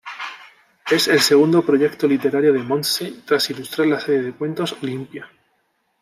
Es el segundo proyecto literario de Montse, tras ilustrar la serie de cuentos "Olympia".